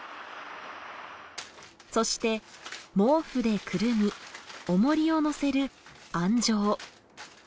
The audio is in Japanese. そして毛布でくるみ重りをのせる「庵蒸」。